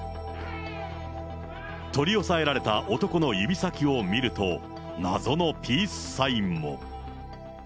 取り押さえられた男の指先を見ると、謎のピースサインも。